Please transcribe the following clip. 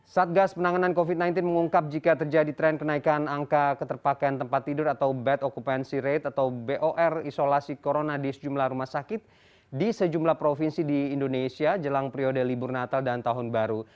satgas penanganan covid sembilan belas mengungkap jika terjadi tren kenaikan angka keterpakaian tempat tidur atau bed occupancy rate atau bor isolasi corona di sejumlah rumah sakit di sejumlah provinsi di indonesia jelang periode libur natal dan tahun baru